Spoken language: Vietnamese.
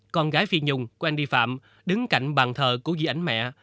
con gái phi nhung của andy phạm đứng cạnh bàn thờ của dì ảnh mẹ